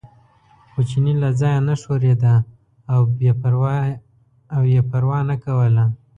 خو چیني له ځایه نه ښورېده او یې پروا نه کوله.